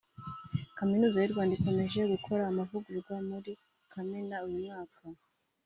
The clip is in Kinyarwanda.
Kaminuza y’u Rwanda ikomeje gukora amavugurura muri Kamena uyu mwaka